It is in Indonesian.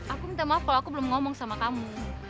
aku minta maaf kalau aku belum ngomong sama kamu